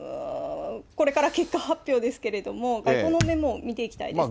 これから結果発表ですけれども、外交の面も見ていきたいですね。